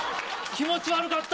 気持ち悪かった